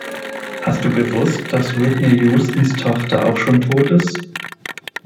Hast du gewusst, dass Whitney Houstons Tochter auch schon tot ist?